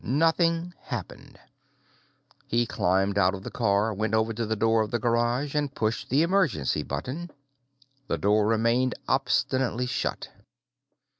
Nothing happened. He climbed out of the car, went over to the door of the garage, and pushed the emergency button. The door remained obstinately shut.